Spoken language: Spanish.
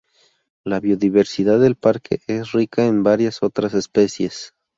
La biodiversidad del parque es rica en varias otras especies.